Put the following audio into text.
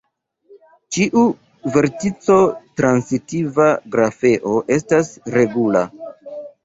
Ĉiu vertico-transitiva grafeo estas regula.